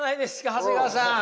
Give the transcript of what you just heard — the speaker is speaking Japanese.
長谷川さん。